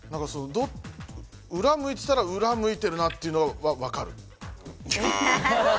裏を向いてたら裏向いてるなというのは分かる。